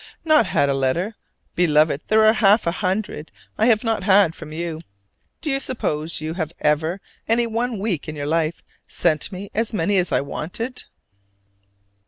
Not had a letter? Beloved, there are half a hundred I have not had from you! Do you suppose you have ever, any one week in your life, sent me as many as I wanted?